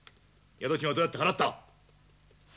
宿賃はどうやって払った？